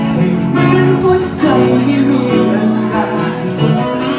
ให้เหมือนหัวใจไม่มีเรื่องรัก